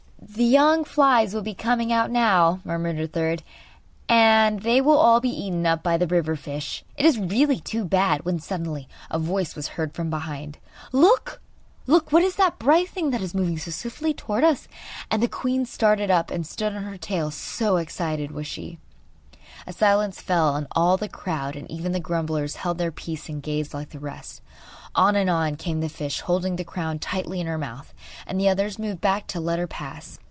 'The young flies will be coming out now,' murmured a third, 'and they will all be eaten up by the river fish! It is really too bad!' When, suddenly, a voice was heard from behind: 'Look! look! what is that bright thing that is moving so swiftly towards us?' And the queen started up, and stood on her tail, so excited was she. A silence fell on all the crowd, and even the grumblers held their peace and gazed like the rest. On and on came the fish, holding the crown tightly in her mouth, and the others moved back to let her pass.